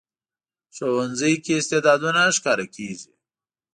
ښوونځی کې استعدادونه ښکاره کېږي